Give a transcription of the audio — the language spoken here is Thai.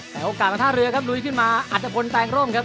แต่โอกาสมาท่าเรือครับลุยขึ้นมาอัตภพลแตงร่มครับ